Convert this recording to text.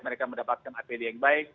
mereka mendapatkan apd yang baik